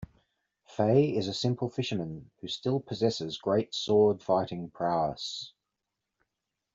Fei is a simple fisherman, who still possesses great sword-fighting prowess.